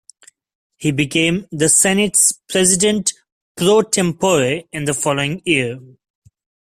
He became the Senate's President "pro tempore" in the following year.